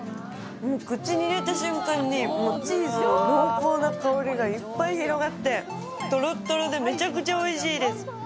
口に入れた瞬間にチーズの濃厚な香りがいっぱい広がって、トロットロで、めちゃくちゃおいしいです。